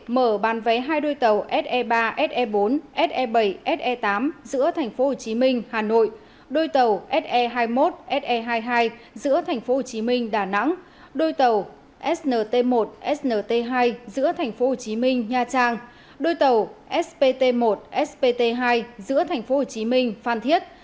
mở bán vé hai đôi tàu se ba se bốn se bảy se tám giữa tp hcm hà nội đôi tàu se hai mươi một se hai mươi hai giữa tp hcm đà nẵng đôi tàu snt một snt hai giữa tp hcm nha trang đôi tàu spt một spt hai giữa tp hcm phan thiết